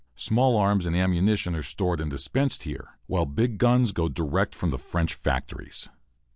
Small arms and ammunition are stored and dispensed there, while big guns go direct from French factories.